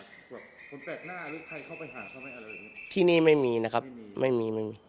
ส่วนแปลกหน้าหรือใครเข้าไปหาเข้าไปอะไรแบบนี้ที่นี่ไม่มีนะครับไม่มีไม่มีอ๋อ